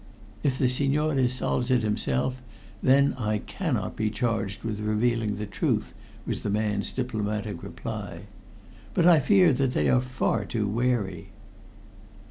"If the signore solves it himself, then I cannot be charged with revealing the truth," was the man's diplomatic reply. "But I fear that they are far too wary."